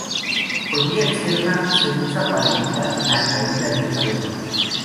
Por vía externa se usa para evitar la caída del cabello.